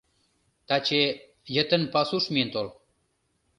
Таче... йытын пасуш миен тол.